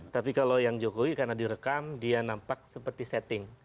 tapi kalau yang jokowi karena direkam dia nampak seperti setting